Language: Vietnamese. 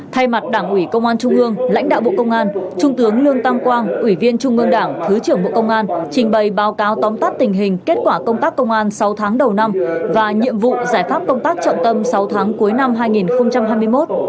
thay mặt đảng ủy công an trung ương lãnh đạo bộ công an trung tướng lương tam quang ủy viên trung ương đảng thứ trưởng bộ công an trình bày báo cáo tóm tắt tình hình kết quả công tác công an sáu tháng đầu năm và nhiệm vụ giải pháp công tác trọng tâm sáu tháng cuối năm hai nghìn hai mươi một